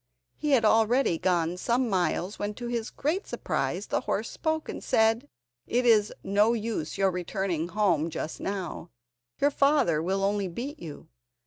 He had already gone some miles when, to his great surprise, the horse spoke, and said: "It is no use your returning home just now, your father will only beat you.